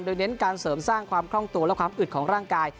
โดยเน้นการเสริมสร้างความคล่องตัวและความอึดของร่างกาย